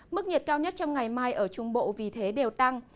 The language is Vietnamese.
mức nhiệt cao nhất trong ngày mai ở trung bộ vì thế đều tăng